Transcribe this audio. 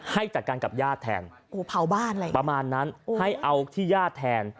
ให้จัดการกับญาติแทนประมาณนั้นให้เอาที่ญาติแทน